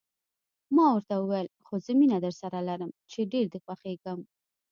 ما ورته وویل: خو زه مینه درسره لرم، چې ډېر دې خوښېږم.